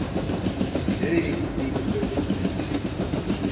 Nereye gittiğini söyledi mi?